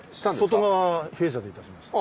外側は弊社でいたしました。